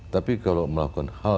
tapi kalau melakukan hal